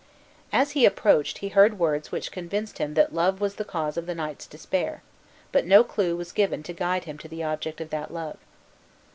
As he approached he heard words which convinced him that love was the cause of the knight's despair; but no clew was given to guide him to the object of that love.